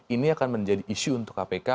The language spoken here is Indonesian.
ini akan menjadi isu untuk kpk